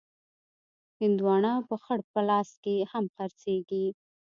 هندوانه په خړ پلاس کې هم خرڅېږي.